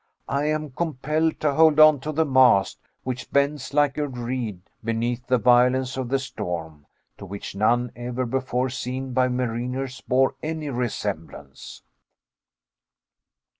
I am compelled to hold onto the mast, which bends like a reed beneath the violence of the storm, to which none ever before seen by mariners bore any resemblance.